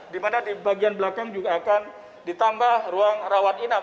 di mana di bagian belakang juga akan ditambah ruang rawat inap